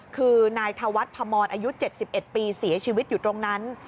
คือนายธวัฒน์พมรอายุ๗๑ปีเสียชีวิตอยู่ตรงนั้น